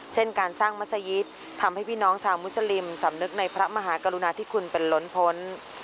เช่นการสร้างมัศยิตทำให้พี่น้องชาวมุสลิมสำนึกในพระมหากรุณาธิคุณเป็นล้นพ้น